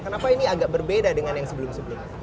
kenapa ini agak berbeda dengan yang sebelum sebelumnya